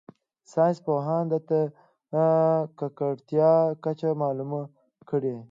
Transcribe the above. ساینس پوهانو ته د ککړتیا کچه معلومه کړي.